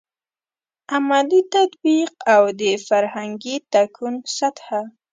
عملي تطبیق او د فرهنګي تکون سطحه.